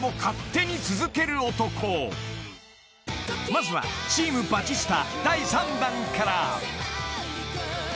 ［まずは『チーム・バチスタ』第３弾から］